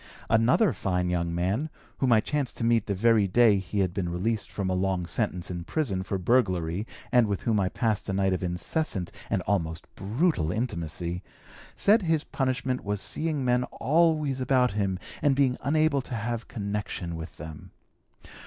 Another fine young man, whom I chanced to meet the very day he had been released from a long sentence in prison for burglary and with whom I passed a night of incessant and almost brutal intimacy, said his punishment was seeing men always about him and being unable to have connection with them.